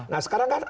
nah sekarang kan